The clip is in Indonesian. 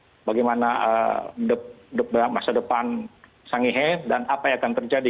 bagaimana masa depan sangihe dan apa yang akan terjadi